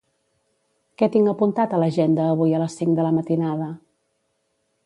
Què tinc apuntat a l'agenda avui a les cinc de la matinada?